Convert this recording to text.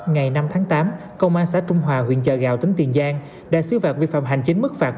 ngày năm tháng tám công an xã trung hòa huyện chợ gạo tỉnh tiền giang đã xứ phạt vi phạm hành chính mức phạt